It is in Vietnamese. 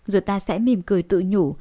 rồi ta sẽ mìm cười tự nhủ